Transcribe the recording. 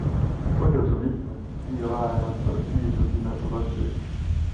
Põhjus on lihtne - liiga vähe on atraktiivselt hinnatud aktsiaid.